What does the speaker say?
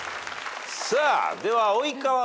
さあでは及川さん。